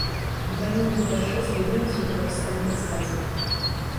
"Dwaj moi towarzysze znajdują się teraz w stanie ekstazy."